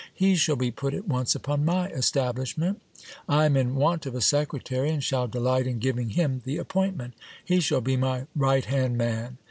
He shall be put at once upon my establishment. I am in want of a secretary, and shall delight in giving him the appointment : he shall be my right hand man.